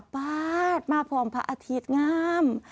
ปาดมาพร้อมพระอาทิตย์งาม